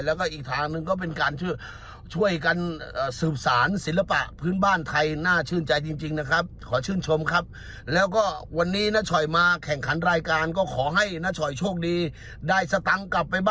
น้าโย่งครับอายุมากกว่านับภูมิและนังโล่ง